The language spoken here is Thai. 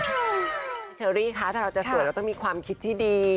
เชอรี่คะถ้าเราจะสวยเราต้องมีความคิดที่ดี